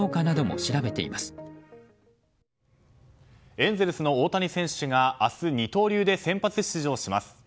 エンゼルスの大谷選手が明日、二刀流で先発出場します。